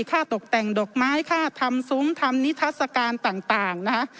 ค่าตกแต่งดอกไม้ค่าทำซุ้มทำนิทัศกาลต่างนะคะ